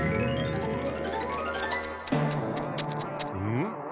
ん？